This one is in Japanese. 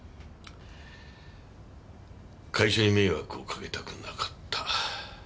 会社に迷惑をかけたくなかった。